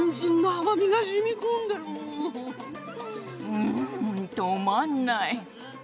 うん止まんない。